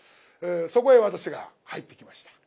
そこへ私が入ってきました。